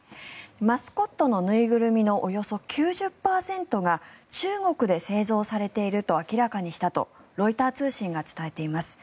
マスコットの縫いぐるみのおよそ９０％が中国で製造されていると明らかにしたとロイター通信が伝えています。